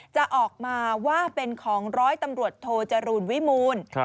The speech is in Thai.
จะออกมาว่าเป็นของร้อยตำรวจโทจรูลวิมูล